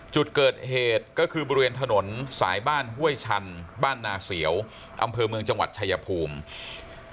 จุดเกิดเหตุก็คือบริเวณถนนสายบ้านห้วยชันบ้านนาเสียวอำเภอเมืองจังหวัดชายภูมิ